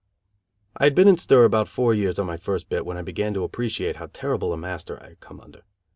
I had been in stir about four years on my first bit when I began to appreciate how terrible a master I had come under.